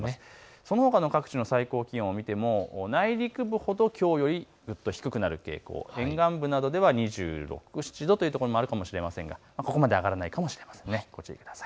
そのほかの各地の気温を見ても内陸部ほどきょうより低くなる傾向、沿岸部などでは２６、７度というところが多いかもしれませんがここまで上がらないかもしれません。